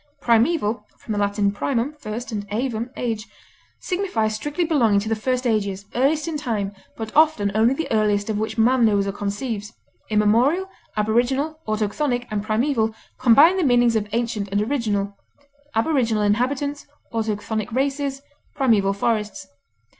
Primeval (L. primum, first, and ævum, age), signifies strictly belonging to the first ages, earliest in time, but often only the earliest of which man knows or conceives, immemorial. Aboriginal, autochthonic, and primeval combine the meanings of ancient and original; aboriginal inhabitants, autochthonic races, primeval forests.